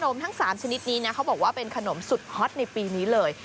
มทั้ง๓ชนิดนี้นะเขาบอกว่าเป็นขนมสุดฮอตในปีนี้เลย